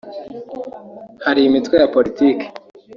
hari imitwe ya politiki”